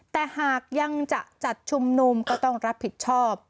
แต่หากยังจะจัดชุมนุมก็ต้องรับผิดชอบ